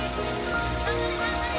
頑張れ頑張れ！